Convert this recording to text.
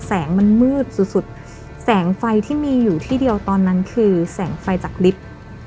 แสงมันมืดสุดสุดแสงไฟที่มีอยู่ที่เดียวตอนนั้นคือแสงไฟจากลิฟต์